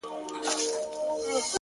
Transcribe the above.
• سپوږمۍ په لپه کي هغې په تماسه راوړې ـ